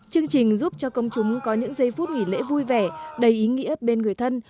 chương trình giúp cho công chúng có những giây phút nghỉ lễ vui vẻ đầy ý nghĩa bên người thân